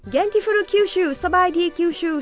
เย็นกิฟุรุคิวชูสบายดีคิวชู